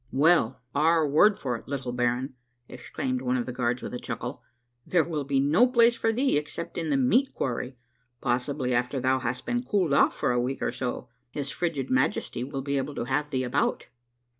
" Well, our word for it, little baron," exclaimed one of the guards with a chuckle, " there will be no place for thee except in the meat quarry. Possibly after thou hast been cooled off for a week or so, his frigid Majesty will be able to have thee about